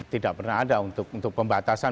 tidak pernah ada untuk pembatasan